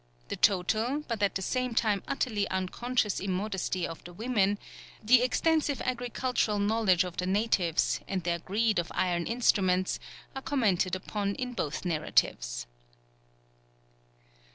The total, but at the same time utterly unconscious immodesty of the women, the extensive agricultural knowledge of the natives, and their greed of iron instruments, are commented upon in both narratives.